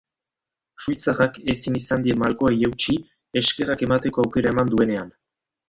Suitzarrak ezin izan die malkoei eutsi eskerrak emateko aukera eman duenean.